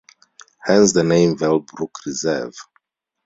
Hence the name Vale Brook Reserve.